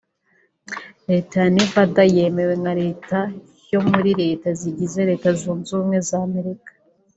Leta ya Nevada yemewe nka Leta ya muri leta zigize Leta zunze ubumwe za Amerika